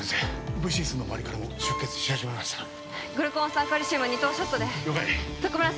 Ｖシースの周りからも出血し始めましたグルコン酸カルシウムを２投ショットで了解徳丸さん